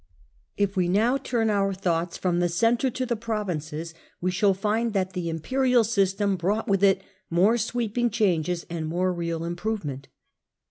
If we now turn our thoughts from the centre to the provinces we shall find that the imperial system brought with it more sweeping changes and more real ment ofThc improvement.